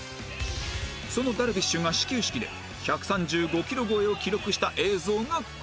その樽美酒が始球式で１３５キロ超えを記録した映像がこちら